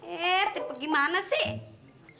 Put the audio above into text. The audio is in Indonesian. eh gimana sih